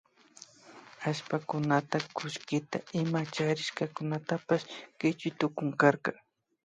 Allpakunata kullkita ima charishkakunatapash kichuy tukunkarka